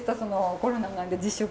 コロナなんで自粛。